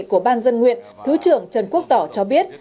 của ban dân nguyện thứ trưởng trần quốc tỏ cho biết